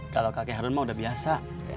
kalau kakek harun mah udah biasa